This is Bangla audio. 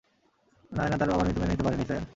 নায়না তার বাবার মৃত্যু মেনে নিতে পারেনি, স্যার।